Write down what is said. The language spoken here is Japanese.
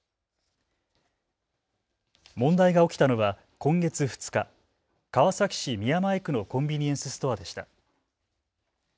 問題が起きたのは今月２日、川崎市宮前区のコンビニエンスストアでした。